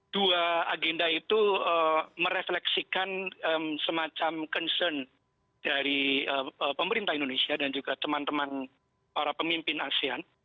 dua agenda itu merefleksikan semacam concern dari pemerintah indonesia dan juga teman teman para pemimpin asean